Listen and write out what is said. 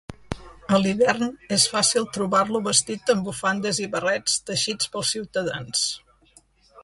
A l'hivern és fàcil trobar-lo vestit amb bufandes i barrets teixits pels ciutadans.